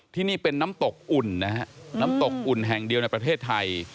ที่นี่เป็นน้ำตกอุ่นนะฮะน้ำตกอุ่นแห่งเดียวในประเทศไทย